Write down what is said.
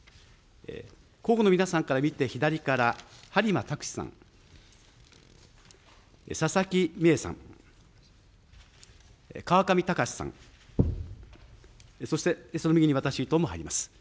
候補の皆さんから見て左から、播磨卓士さん、佐々木美恵さん、川上高志さん、そしてその右に私、伊藤も入ります。